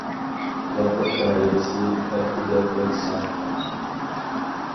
ۋاقىت دائىرىسى: ھەپتىدە بىر سان.